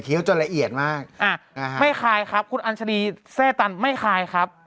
จนละเอียดมากอ่าไม่คายครับคุณอัญชรีแทร่ตันไม่คลายครับ